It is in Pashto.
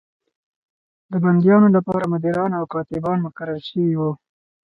د بندیانو لپاره مدیران او کاتبان مقرر شوي وو.